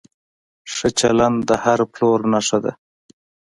ښه چلند د هر پلور نښه ده.